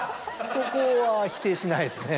そこは否定しないですね。